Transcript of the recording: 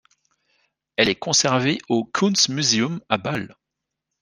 Elle est conservée au Kunstmuseum, à Bâle.